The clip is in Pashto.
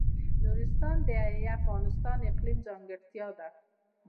نورستان د افغانستان د اقلیم ځانګړتیا ده.